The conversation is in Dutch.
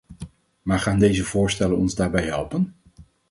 Maar gaan deze voorstellen ons daarbij helpen?